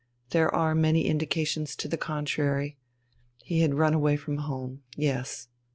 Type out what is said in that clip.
There are many indications to the contrary. He had run away from home. Yes."